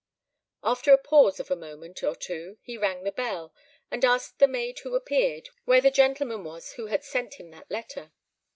After a pause of a moment or two he rang the bell, and asked the maid who appeared, where the gentleman was who had sent him that letter.